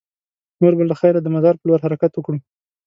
نور به له خیره د مزار په لور حرکت وکړو.